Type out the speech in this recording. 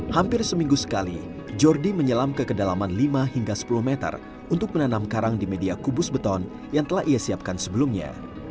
hampir seminggu sekali jordi menyelam ke kedalaman lima hingga sepuluh meter untuk menanam karang di media kubus beton yang telah ia siapkan sebelumnya